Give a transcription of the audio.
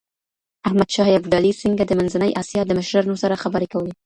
احمد شاه ابدالي څنګه د منځنۍ اسیا د مشرانو سره خبري کولي؟